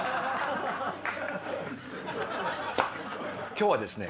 今日はですね